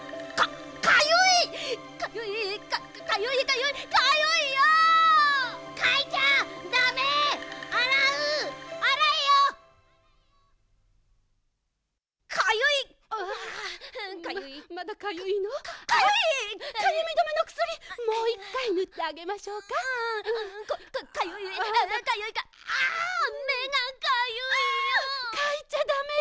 かいちゃダメよ！